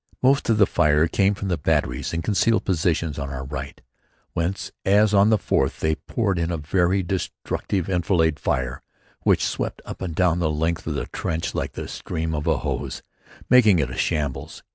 Most of the fire came from the batteries in concealed positions on our right, whence, as on the fourth, they poured in a very destructive enfilade fire which swept up and down the length of the trench like the stream of a hose, making it a shambles.